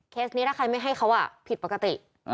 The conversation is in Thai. นี้ถ้าใครไม่ให้เขาผิดปกติ